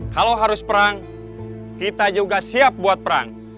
kalau harus perang kita juga siap buat perang